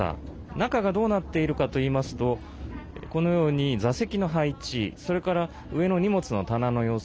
中がどうなっているかといいますとこのように座席の配置それから上の荷物の棚の様子